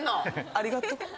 ありがとう。